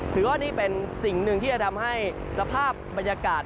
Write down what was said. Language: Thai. ว่านี่เป็นสิ่งหนึ่งที่จะทำให้สภาพบรรยากาศ